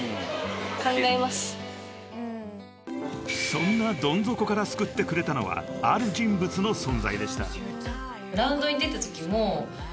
［そんなどん底から救ってくれたのはある人物の存在でした］